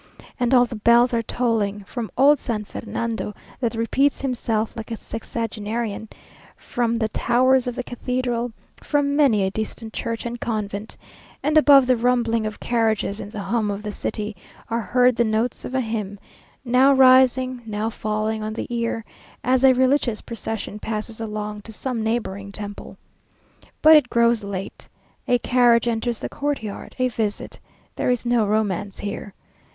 And all the bells are tolling; from old San Fernando that repeats himself like a sexagenarian; from the towers of the cathedral, from many a distant church and convent; and above the rumbling of carriages and the hum of the city, are heard the notes of a hymn, now rising, now falling on the ear, as a religious procession passes along to some neighbouring temple. But it grows late a carriage enters the courtyard a visit. There is no romance here.